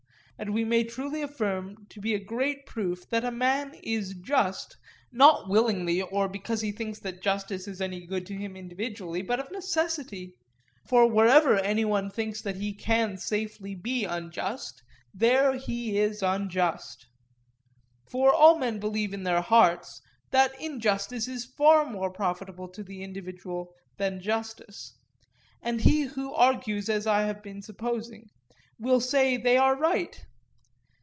And this we may truly affirm to be a great proof that a man is just, not willingly or because he thinks that justice is any good to him individually, but of necessity, for wherever any one thinks that he can safely be unjust, there he is unjust. For all men believe in their hearts that injustice is far more profitable to the individual than justice, and he who argues as I have been supposing, will say that they are right.